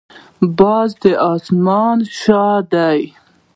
باز د اسمان شاه دی